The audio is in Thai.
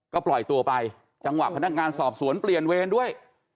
ก็ปล่อยตัวไปจังหวะพนักงานสอบสวนเปลี่ยนเวรด้วย